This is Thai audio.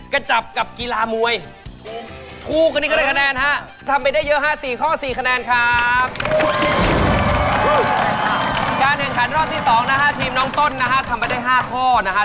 การแข่งขันรอบที่๒นะฮะทีมน้องต้นนะฮะทำไปได้๕ข้อนะครับ